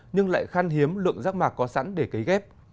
nhưng lại khăn hiếm lượng giác mạc có sẵn để cấy ghép